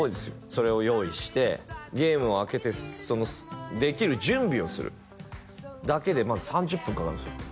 それを用意してゲームを開けてそのできる準備をするだけでまず３０分かかるんですよ